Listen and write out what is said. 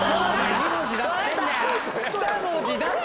２文字だって。